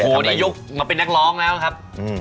โอ้โหนี่ยกมาเป็นนักร้องแล้วครับ